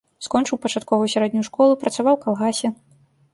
Скончыў пачатковую сярэднюю школу, працаваў у калгасе.